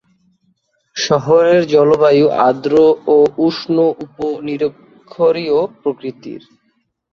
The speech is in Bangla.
শহরের জলবায়ু আর্দ্র ও উষ্ণ উপ-নিরক্ষীয় প্রকৃতির।